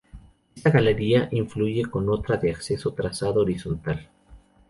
Esta galería confluye con otra de acceso, de trazado horizontal.